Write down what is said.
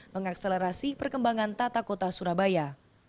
mengakselerasi perkembangan tata kota surabaya